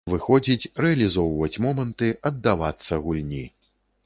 Выходзіць, рэалізоўваць моманты, аддавацца гульні.